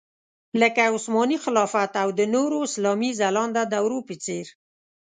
لکه عثماني خلافت او د نورو اسلامي ځلانده دورو په څېر.